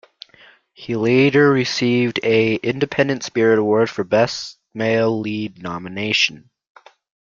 He later received a Independent Spirit Award for Best Male Lead nomination.